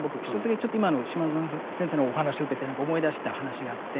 ちょっと今の島薗先生のお話を受けて何か思い出した話があって。